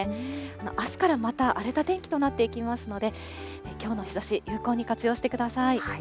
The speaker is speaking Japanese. あすからまた荒れた天気となっていきますので、きょうの日ざし、有効に活用してください。